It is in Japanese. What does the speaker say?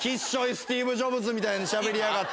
スティーブ・ジョブズみたいにしゃべりやがって。